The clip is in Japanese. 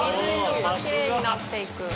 きれいになっていく。